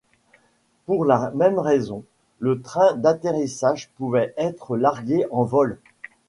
Pour la même raison, le train d'atterrissage pouvait être largué en vol.